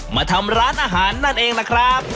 มาทำร้านอาหารนั่นเองล่ะครับ